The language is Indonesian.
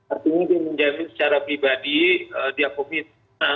artinya dia menjamin secara pribadi diakomis